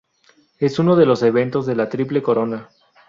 Es uno de los eventos de la Triple Corona.